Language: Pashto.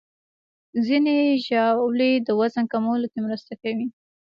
ځینې ژاولې د وزن کمولو کې مرسته کوي.